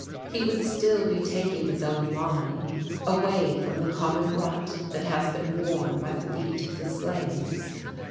He would still be taking his own line, away from the common rut that has been worn by the feet of the slaves.